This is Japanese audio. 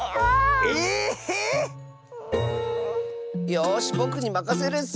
⁉よしぼくにまかせるッス！